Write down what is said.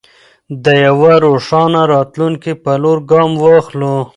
د یوه روښانه راتلونکي په لور ګام واخلو.